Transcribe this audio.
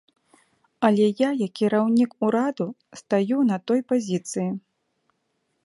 Але я як кіраўнік ураду стаю на той пазіцыі.